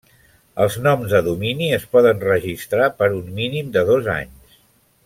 Els noms de domini es poden registrar per un mínim de dos anys.